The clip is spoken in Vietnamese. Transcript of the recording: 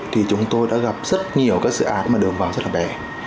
thì chúng tôi đã gặp rất nhiều các dự án mà đường vào rất là bè